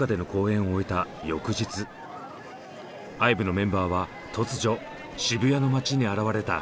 ＩＶＥのメンバーは突如渋谷の街に現れた。